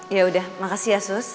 ya udah makasih ya sus